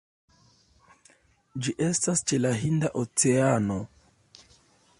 Ĝi estas ĉe la Hinda Oceano.